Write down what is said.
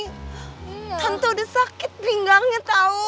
tante udah sakit pinggangnya tau